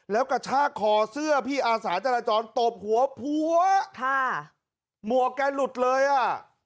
แล้วกระชากคอเสื้อพี่อาสาจราจรตบหัวพัวค่ะหมวกแกหลุดเลยอ่ะ